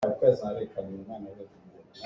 Kum kul a si cang nain a lung a fim rih lo.